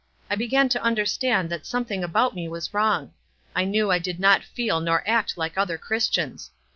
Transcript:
I began to understand that something about me was wrong. I knew I did not feel u«jr act like other Christians.